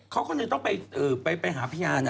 เขาก็เลยต้องไปหาพยาน